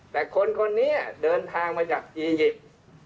แต่คนคนนี้เดินทางมาจากอียิปต์